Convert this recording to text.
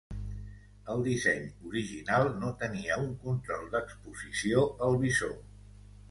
El disseny original no tenia un control d'exposició al visor.